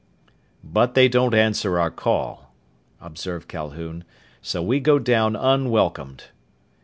"But they don't answer our call," observed Calhoun, "so we go down unwelcomed."